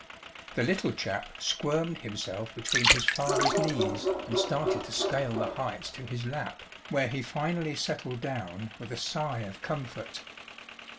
The Little Chap squirmed himself between his father's knees and started to scale the heights to his lap, where he finally settled down with a sigh of comfort.